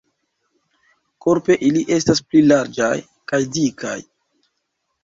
Korpe ili estas pli larĝaj kaj dikaj.